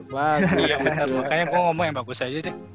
makanya gue ngomong yang bagus aja deh